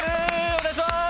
お願いします！